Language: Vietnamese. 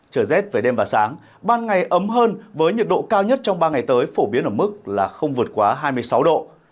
trở rét về đêm và sáng ban ngày ấm hơn với nhiệt độ cao nhất trong ba ngày tới phổ biến ở mức là không vượt quá hai mươi sáu độ